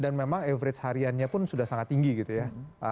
dan memang average hariannya pun sudah sangat tinggi gitu ya